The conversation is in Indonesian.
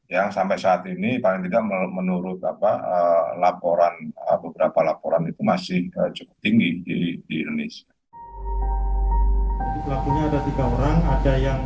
yang sampai saat ini paling tidak menurut apa laporan beberapa laporan itu masih cukup tinggi di indonesia